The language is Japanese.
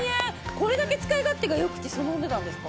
これだけ使い勝手が良くてそのお値段ですか？